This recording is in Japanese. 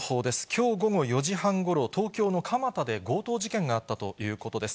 きょう午後４時半ごろ、東京の蒲田で強盗事件があったということです。